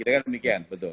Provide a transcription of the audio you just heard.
tidak tidak demikian betul